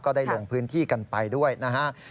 ได้ลงพื้นที่กันไปด้วยนะฮะ